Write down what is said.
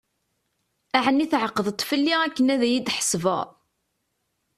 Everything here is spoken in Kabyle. Ɛni tεeqdeḍ-t fell-i akken ad yi-d-tḥesbeḍ?